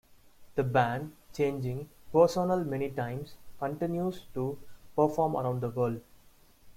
The band, changing personnel many times, continues to perform around the world.